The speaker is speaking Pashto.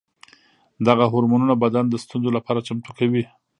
دغه هورمونونه بدن د ستونزو لپاره چمتو کوي.